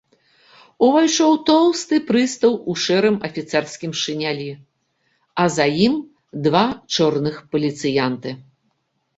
Увайшоў тоўсты прыстаў у шэрым афіцэрскім шынялі, а за ім два чорных паліцыянты.